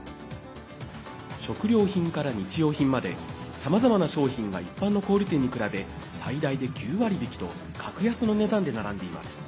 食料品から日用品までさまざまな商品が一般の小売店に比べ最大で９割引きと格安の値段で並んでいます。